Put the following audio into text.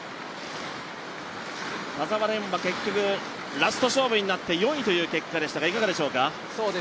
田澤廉は結局ラスト勝負になって４位という結果になりましたがいかがでしょうか。